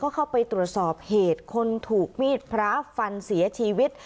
เข้าไปตรวจสอบเหตุคนถูกมีดพระฟันเสียชีวิต